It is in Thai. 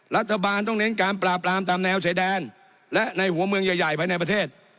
รัฐบาลต้องเน้นการปราบรามตามแนวชายแดนและในหัวเมืองใหญ่ภายในประเทศ